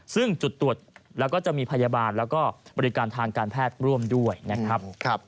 ซึ่งจุดตรวจแล้วก็จะมีพยาบาลแล้วก็บริการทางการแพทย์ร่วมด้วยนะครับ